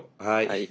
はい。